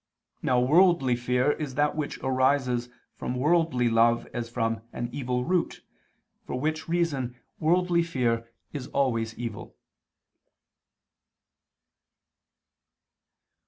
Now worldly fear is that which arises from worldly love as from an evil root, for which reason worldly fear is always evil.